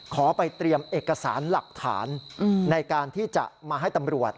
ขอไปเตรียมเอกสารหลักฐานในการที่จะมาให้ตำรวจ